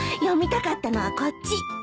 読みたかったのはこっち。